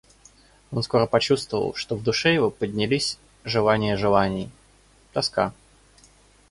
Он скоро почувствовал, что в душе его поднялись желания желаний, тоска.